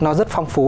nó rất phong phú